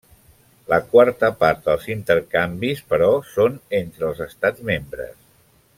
La quarta part dels intercanvis, però, són entre els Estats membres.